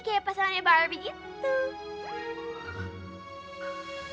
kayak pasangannya barbie gitu